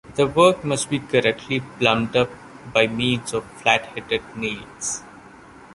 The work must be correctly plumbed up by means of flat-headed nails.